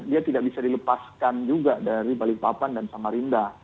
dia tidak bisa dilepaskan juga dari balikpapan dan samarinda